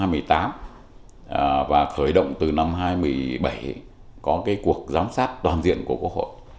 năm hai nghìn một mươi tám và khởi động từ năm hai nghìn một mươi bảy có cái cuộc giám sát toàn diện của quốc hội